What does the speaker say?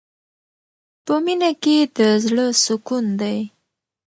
په مینه کې د زړه سکون دی.